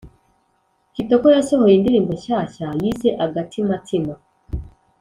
Kitoko yasohoye indirimbo nshyashya yise agatimatima